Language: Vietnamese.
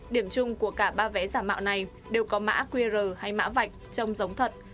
điểm chung của cả ba vé giả mạo này đều có mã qr hay mã vạch trông giống thật